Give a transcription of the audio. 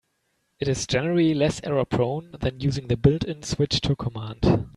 It is generally less error-prone than using the built-in "switch to" command.